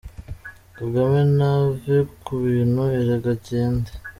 Kagame nave ku bintu erega agende.